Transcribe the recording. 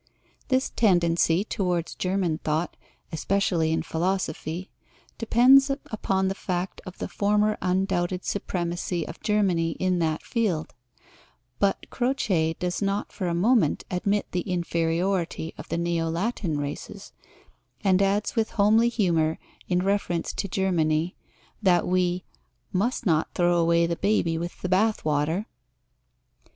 This tendency towards German thought, especially in philosophy, depends upon the fact of the former undoubted supremacy of Germany in that field, but Croce does not for a moment admit the inferiority of the Neo Latin races, and adds with homely humour in reference to Germany, that we "must not throw away the baby with the bath water"!